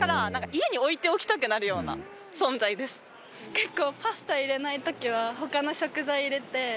結構。